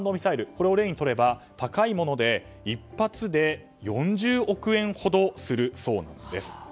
これを例にとれば高いもので１発で４０億円ほどするそうなんです。